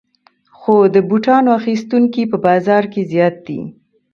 خو د بوټانو اخیستونکي په بازار کې زیات دي